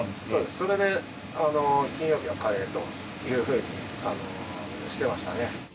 それで金曜日はカレーというふうにしてましたね。